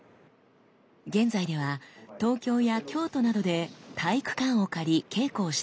現在では東京や京都などで体育館を借り稽古をしています。